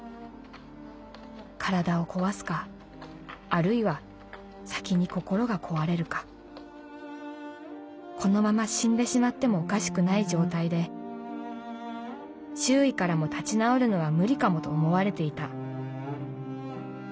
体を壊すかあるいは先に心が壊れるかこのまま死んでしまってもおかしくない状態で周囲からも立ち直るのは無理かもと思われていた。